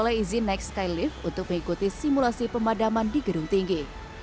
memperoleh izin nike skylift untuk mengikuti simulasi pemadaman di gedung tinggi